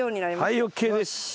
はいＯＫです。